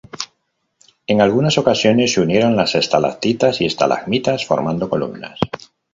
En algunas ocasiones se unieron las estalactitas y estalagmitas formando columnas.